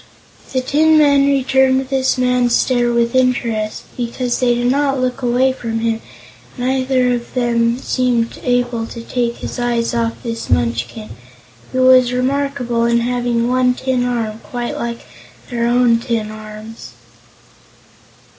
The tin men returned this man's stare with interest, but they did not look away from him because neither of them seemed able to take his eyes off this Munchkin, who was remarkable in having one tin arm quite like their own tin arms.